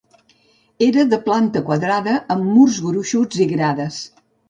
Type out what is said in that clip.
Era de planta quadrada amb murs gruixuts i grades.